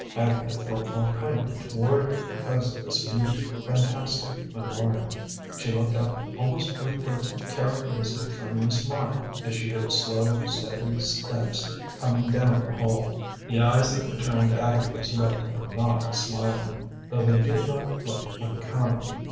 Agatha felt more kindly toward her because of this mute, fantastic memorial. She looked up almost with her characteristic friendly smile as she heard slow, steady steps coming down the hall. The eyes that returned Agatha's look were not smiling, though they did not look unkind.